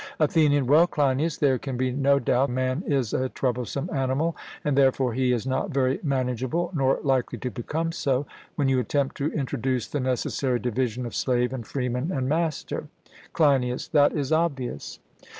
ATHENIAN: Well, Cleinias, there can be no doubt that man is a troublesome animal, and therefore he is not very manageable, nor likely to become so, when you attempt to introduce the necessary division of slave, and freeman, and master. CLEINIAS: That is obvious.